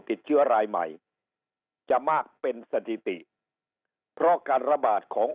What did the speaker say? ติดเชื้อรายใหม่จะมากเป็นสถิติเพราะการระบาดของ